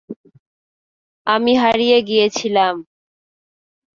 আমি হারিয়ে গিয়েছিলাম।